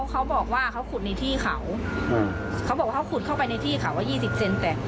เขาบอกว่าเขาขุดในที่เขาเขาบอกว่าเขาขุดเข้าไปในที่เขาว่ายี่สิบเซนแตก